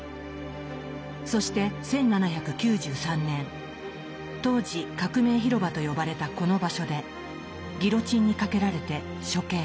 そして１７９３年当時革命広場と呼ばれたこの場所でギロチンにかけられて処刑。